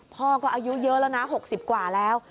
พ่อก็อายุเยอะแล้วนะ๖๐กว่าแล้ว